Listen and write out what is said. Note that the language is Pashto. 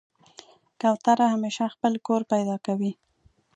کوتره همیشه خپل کور پیدا کوي.